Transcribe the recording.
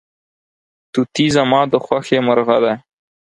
توتي زما د خوښې مرغه دی.